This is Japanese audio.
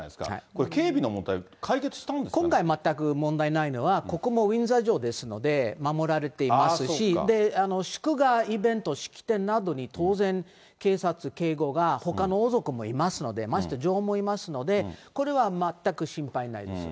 これ、警備の問題、解決したんで今回全く問題ないのは、ここもウィンザー城ですので、守られていますし、祝賀イベント、式典などに当然、警察、警護がほかの王族もいますので、まして女王もいますので、これは全く心配ないです。